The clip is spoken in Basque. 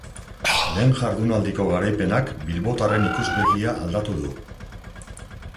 Lehen jardunaldiko garaipenak bilbotarren ikuspegia aldatu du.